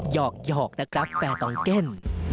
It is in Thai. หอกนะครับแฟร์ตองเก็น